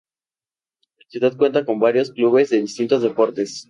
La ciudad cuenta con varios clubes de distintos deportes.